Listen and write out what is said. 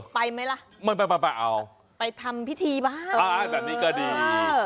ไปไหมล่ะไปทำพิธีบ้างแบบนี้ก็ดี